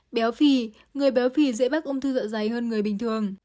béo phì người béo phì dễ mắc ung thư dạ dày hơn người bình thường